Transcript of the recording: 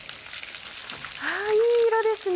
あいい色ですね。